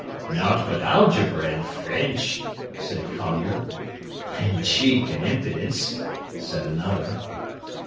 "Nowt but algibbra an' French," said a collier. "An' cheek an' impidence," said another.